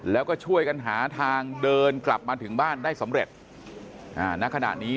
แล้วก็ช่วยกันหาทางเดินกลับมาถึงบ้านได้สำเร็จณขณะนี้